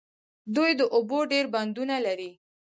دوی د اوبو ډیر بندونه لري.